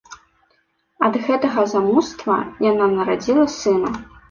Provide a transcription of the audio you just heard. Ад гэтага замуства яна нарадзіла сына.